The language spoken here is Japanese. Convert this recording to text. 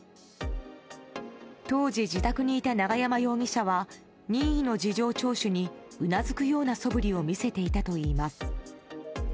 当時、自宅にいた永山容疑者は任意の事情聴取にうなずくようなそぶりを見せていたといいます。